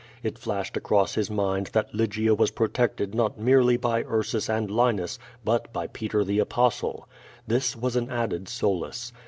It flashed across his mind that Lygia was protected not merely by Ursus and Linus but by Peter tlie Apostle. This was an added solace.